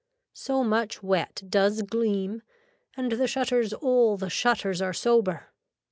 So much wet does gleam and the shutters all the shutters are sober.